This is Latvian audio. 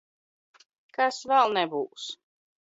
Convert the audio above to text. Kas v?l neb?s!